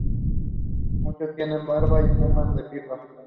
Muchos tienen barba y fuman en pipa.